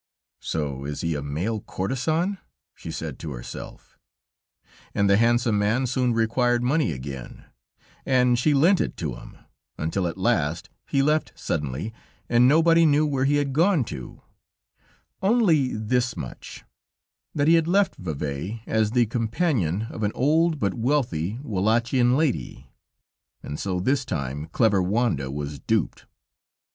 "So he is a male courtesan," she said to herself; and the handsome man soon required money again, and she lent it to him, until at last he left suddenly, and nobody knew where he had gone to; only this much, that he had left Vevey as the companion of an old but wealthy Wallachian lady; and so this time, clever Wanda was duped.